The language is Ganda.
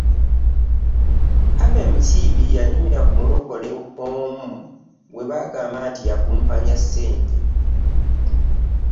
Abby Mukiibi yanyumya ku mulokole omu gwe baagamba nti yakumpanya ssente.